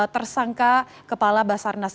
tersangka kepala basarnas